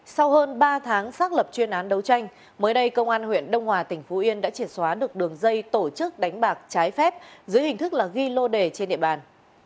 sau hơn ba tháng xác lập chuyên án đấu tranh mới đây công an huyện đông hòa tỉnh phú yên đã triệt xóa được đường dây tổ chức đánh bạc trái phép dưới hình thức là ghi lô đề trên địa bàn